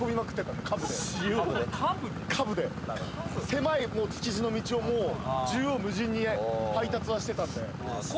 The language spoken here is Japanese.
狭い築地の道を縦横無尽に配達はしてたんで。